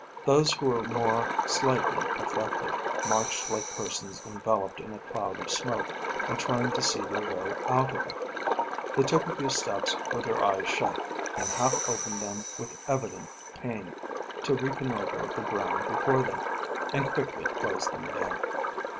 Those who were more slightly affected, marched like persons enveloped in a cloud of smoke, and trying to see their way out of it; they took a few steps with their eyes shut, then half opened them with evident pain to reconnoitre the ground before them, and quickly closed them again.